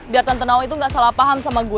biar tante nawang itu gak salah paham sama gue